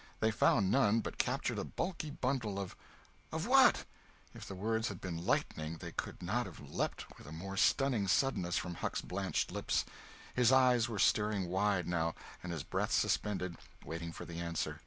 They found none, but captured a bulky bundle of— "Of what?" If the words had been lightning they could not have leaped with a more stunning suddenness from Huck's blanched lips. His eyes were staring wide, now, and his breath suspended—waiting for the answer.